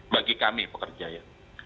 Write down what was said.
bagi kami pekerja ya